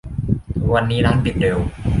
วันนี้ร้านปิดเร็ว